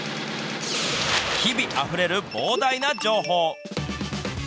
日々、あふれる膨大な情報。